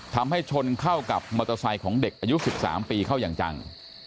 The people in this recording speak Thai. ชนเข้ากับมอเตอร์ไซค์ของเด็กอายุ๑๓ปีเข้าอย่างจัง